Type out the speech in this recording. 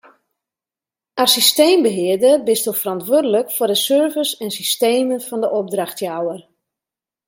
As systeembehearder bisto ferantwurdlik foar de servers en systemen fan de opdrachtjouwer.